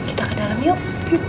kita ke dalam yuk